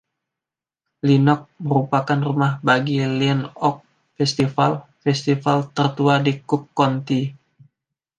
Lenox merupakan rumah bagi Lean-Ox Festival, festival tertua di Cook County.